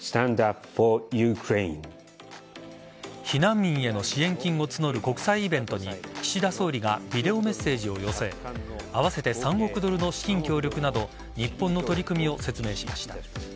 避難民への支援金を募る国際イベントに岸田総理がビデオメッセージを寄せ合わせて３億ドルの資金協力など日本の取り組みを説明しました。